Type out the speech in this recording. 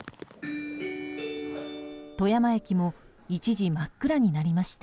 富山駅も一時、真っ暗になりました。